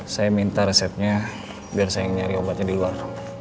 saya minta resepnya biar saya nyari obatnya di luar